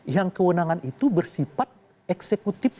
yang kewenangan itu bersifat eksekutif